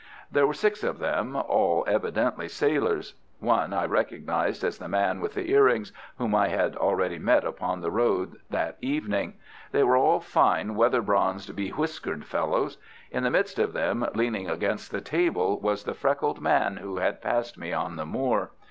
There were six of them, all evidently sailors. One I recognized as the man with the earrings whom I had already met upon the road that evening. They were all fine, weather bronzed bewhiskered fellows. In the midst of them, leaning against the table, was the freckled man who had passed me on the moor.